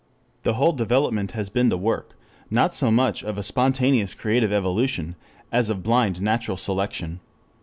This whole development has been the work, not so much of a spontaneous creative evolution, as of blind natural selection.